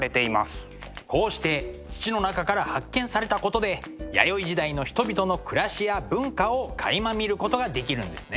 こうして土の中から発見されたことで弥生時代の人々の暮らしや文化をかいま見ることができるんですね。